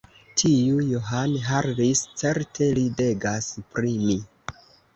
Tiu John Harris, certe, ridegas pri mi!